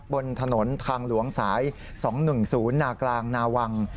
บนถนนทางหลวงสาย๒๑๐นากลางนาวัง